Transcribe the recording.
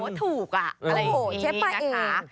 โอ้โหถูกอะอะไรแบบนี้นะคะ